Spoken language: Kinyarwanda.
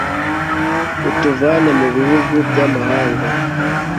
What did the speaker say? utuvane mu bihugu by'amahanga